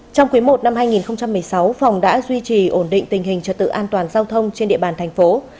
trong quý i năm hai nghìn một mươi sáu phòng đã duy trì ổn định tình hình trật tự an toàn giao thông trên địa bàn thành phố